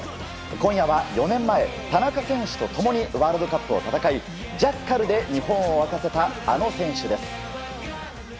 今夜は４年前、田中選手と共にワールドカップを戦いジャッカルで日本を沸かせたあの選手です。